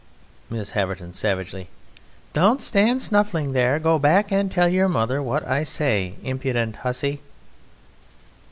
MRS. HAVERTON (savagely): Don't stand snuffling there! Go back and tell your mother what I say.... Impudent hussy!...